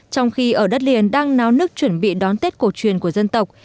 trong khi ở đất liền đang náo nước chuẩn bị đón tết cổ truyền của dân tộc